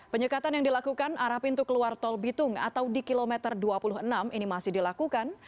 penyekatan yang dilakukan arah pintu keluar tol bitung atau di kilometer dua puluh enam ini masih dilakukan